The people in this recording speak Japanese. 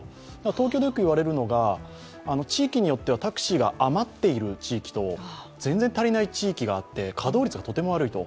東京でよく言われるのが地域によってはタクシーが余っている地域と全然足りない地域があって、稼働率がとても悪いと。